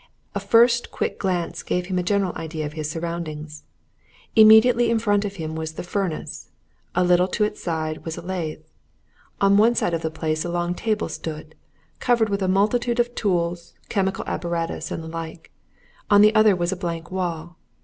A first quick glance gave him a general idea of his surroundings. Immediately in front of him was the furnace; a little to its side was a lathe; on one side of the place a long table stood, covered with a multitude of tools, chemical apparatus, and the like; on the other was a blank wall.